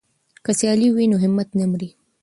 که سیالي وي نو همت نه مري.